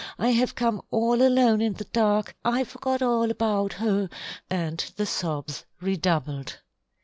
I have come all alone in the dark. I forgot all about her," and the sobs redoubled.